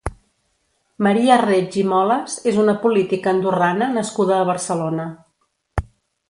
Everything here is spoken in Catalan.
Maria Reig i Moles és una política andorrana nascuda a Barcelona.